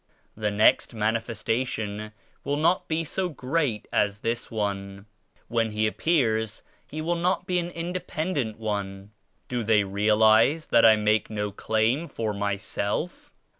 The next manifestation will not be so great as this One. When He appears He will not be an independent One. Do they realize that I make no claim for myself?